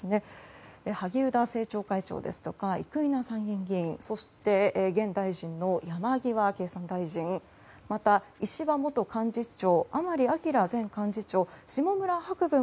萩生田政調会長ですとか生稲参議院議員そして現大臣の山際経産大臣また、石破元幹事長甘利明前幹事長下村博文